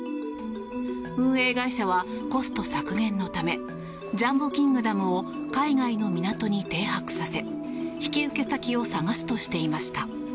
運営会社はコスト削減のためジャンボ・キングダムを海外の港に停泊させ引き受け先を探すとしていました。